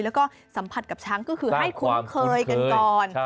แล้วก็สัมผัสกับช้างก็คือให้คุ้นเคยกันก่อน